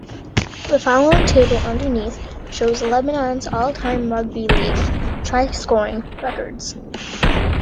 The following table underneath shows Lebanon's all-time rugby league try scoring records.